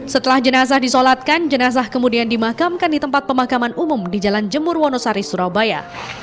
setelah jenazah disolatkan jenazah kemudian dimakamkan di tempat pemakaman umum di jalan jemur wonosari surabaya